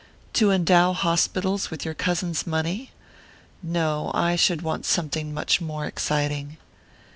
"To endow hospitals with your cousin's money? No; I should want something much more exciting!"